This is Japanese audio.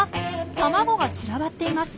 卵が散らばっています。